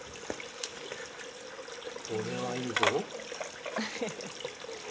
これはいいぞ。